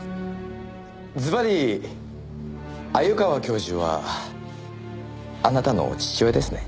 ずばり鮎川教授はあなたの父親ですね？